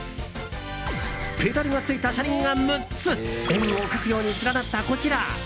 ペダルがついた車輪が６つ円を描くように連なった、こちら。